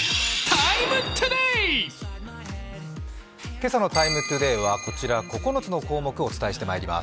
今朝の「ＴＩＭＥ，ＴＯＤＡＹ」は９つの項目、伝えていきます。